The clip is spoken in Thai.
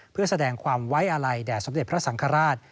เพื่อแสดงความไว้อาลัยแด่สมเด็จพระสังฆราช